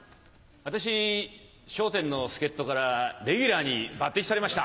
私『笑点』の助っ人からレギュラーに抜擢されました。